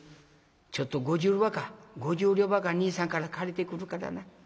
ちょっと５０両ばかり兄さんから借りてくるからな。